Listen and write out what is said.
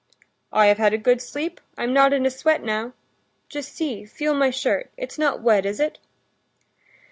"I have had a good sleep, I'm not in a sweat now. Just see, feel my shirt; it's not wet, is it?"